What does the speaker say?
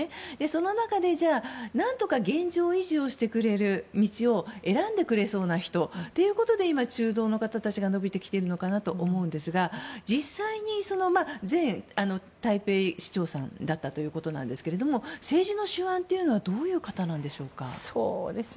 その中で何とか現状維持してくれる道を選んでくれそうな人っていうことで今、中道の方たちが伸びてきているのかなと思いますが実際に、前台北市長だったということですが政治の手腕というのはどういう方なんでしょうか。